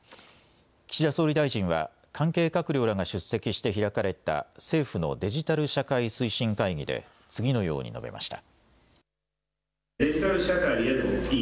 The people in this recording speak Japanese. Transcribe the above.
岸田総理大臣は、関係閣僚らが出席して開かれた政府のデジタル社会推進会議で、次のように述べました。